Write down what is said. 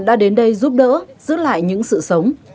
đã đến đây giúp đỡ giữ lại những sự sống